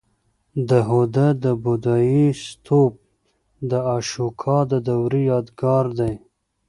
د هده د بودایي ستوپ د اشوکا د دورې یادګار دی